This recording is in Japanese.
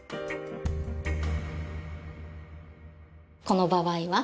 この場合は